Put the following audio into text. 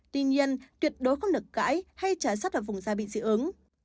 tuy nhiên tuyệt đối không nực cãi hay trả rắt vào vùng da bị dị ứng